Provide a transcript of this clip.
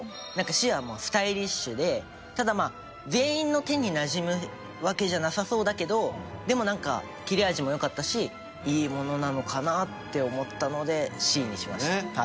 Ｃはスタイリッシュでただ全員の手になじむわけじゃなさそうだけどでもなんか切れ味も良かったしいいものなのかなって思ったのでＣにしました。